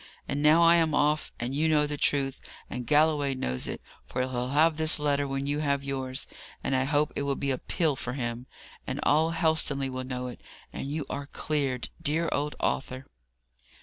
And now I am off, and you know the truth, and Galloway knows it, for he'll have his letter when you have yours (and I hope it will be a pill for him), and all Helstonleigh will know it, and you are cleared, dear old Arthur!"